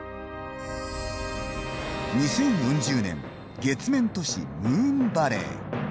２０４０年月面都市ムーンバレー。